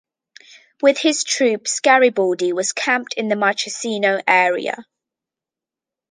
With his troops, Garibaldi was camped in the Marchesino area.